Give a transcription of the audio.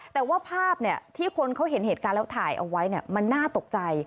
แต่ว่าภาพที่คนเขาเห็นเหตุการณ์แล้วถ่ายเอาไว้มันน่าตกใจ